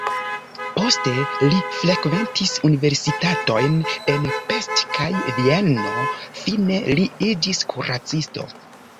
Poste li frekventis universitatojn en Pest kaj Vieno, fine li iĝis kuracisto.